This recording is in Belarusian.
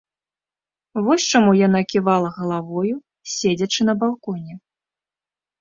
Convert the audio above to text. Вось чаму яна ківала галавою, седзячы на балконе.